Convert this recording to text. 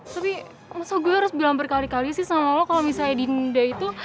tapi masa gue harus bilang berkali kali sih sama lo kalo misalnya dinda itu